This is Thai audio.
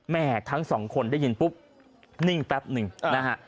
ทั้งสองคนได้ยินปุ๊บนิ่งแป๊บหนึ่งนะฮะ